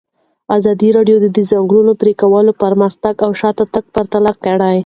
ازادي راډیو د د ځنګلونو پرېکول پرمختګ او شاتګ پرتله کړی.